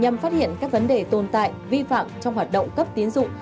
nhằm phát hiện các vấn đề tồn tại vi phạm trong hoạt động cấp tiến dụng